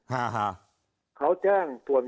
ตอนที่คุณดำรงพิเดศรับตำแหน่งอยู่เป็นอะไรอธิบดีกรมอุทยานตอนนั้น